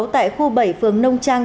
tại khu bảy phường nông trang